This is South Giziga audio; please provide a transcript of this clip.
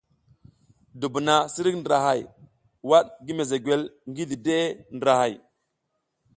Dubuna sirik drahaya waɗ gi mezegwel ngi dideʼe ndrahay.